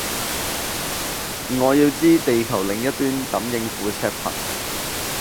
我要知地球另一端怎應付赤貧